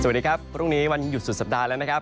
สวัสดีครับพรุ่งนี้วันหยุดสุดสัปดาห์แล้วนะครับ